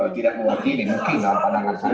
tidak mewakili mungkin dalam pandangan saya